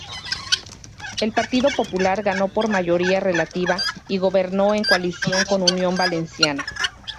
El Partido Popular ganó por mayoría relativa y gobernó en coalición con Unión Valenciana.